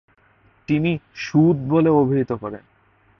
তিনি " সুদ " বলে অভিহিত করেন।